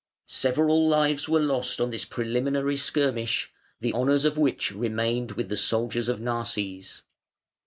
Several lives were lost on this preliminary skirmish, the honours of which remained with the soldiers of Narses.